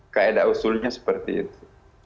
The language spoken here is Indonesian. kaedah usulnya seperti itu